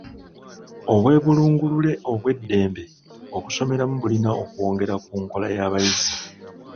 Obwebulungulule obw'eddembe okusomeramu bulina okwongera ku nkola y'abayizi.